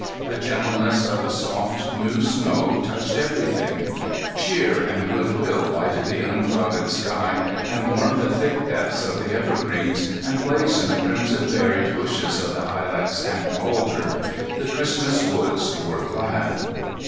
The gentleness of the soft new snow touched everything; cheer and good will lighted the unclouded sky and warmed the thick depths of the evergreens, and blazed in the crimson berried bushes of the ilex and alder. The Christmas woods were glad.